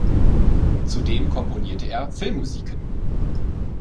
Zudem komponierte er Filmmusiken.